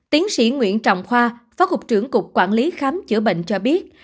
tiến sĩ nguyễn trọng khoa phó cục trưởng cục quản lý khám chữa bệnh cho biết